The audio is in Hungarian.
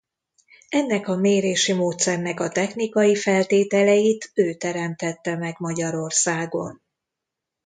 Ennek a mérési módszernek a technikai feltételeit ő teremtette meg Magyarországon.